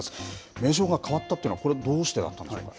名称が変わったっていうのは、これ、どうしてだったんでしょうか。